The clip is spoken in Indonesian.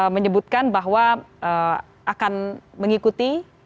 menyebutkan bahwa akan mengikuti